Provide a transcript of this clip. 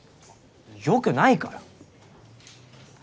良くないから！